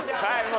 はい。